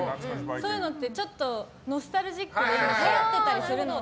そういうのってちょっとノスタルジックではやってたりするので。